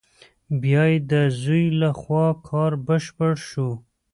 بیا یې د زوی له خوا کار بشپړ شو.